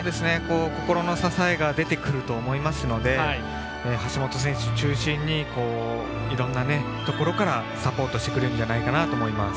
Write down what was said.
心の支えが出てくると思いますので橋本選手中心にいろいろなところからサポートしてくれるんじゃないかなと思います。